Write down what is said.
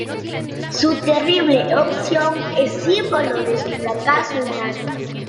Su terrible opción es símbolo de su fracaso humano.